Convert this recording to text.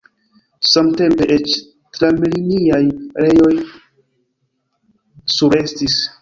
Samtempe eĉ tramliniaj reloj surestis.